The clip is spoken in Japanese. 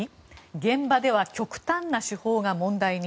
現場では極端な手法が問題に。